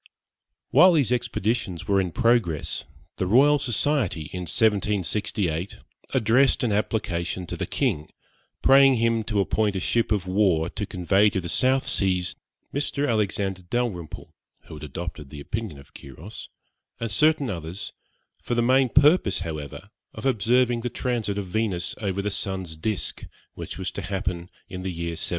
While these expeditions were in progress, the Royal Society, in 1768, addressed an application to the king, praying him to appoint a ship of war to convey to the South Seas Mr. Alexander Dalrymple (who had adopted the opinion of Quiros), and certain others, for the main purpose, however, of observing the transit of Venus over the sun's disc, which was to happen in the year 1769.